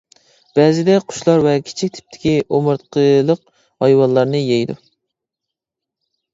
بەزىدە قۇشلار ۋە كىچىك تىپتىكى ئومۇرتقىلىق ھايۋانلارنى يەيدۇ.